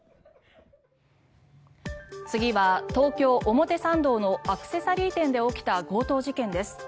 次は東京・表参道のアクセサリー店で起きた強盗事件です。